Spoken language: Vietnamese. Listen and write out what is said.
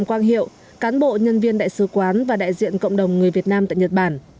quang hiệu cán bộ nhân viên đại sứ quán và đại diện cộng đồng người việt nam tại nhật bản